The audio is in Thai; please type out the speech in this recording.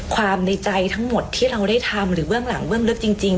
ในใจทั้งหมดที่เราได้ทำหรือเบื้องหลังเบื้องลึกจริง